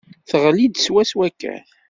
Teɣli-d swaswa kan.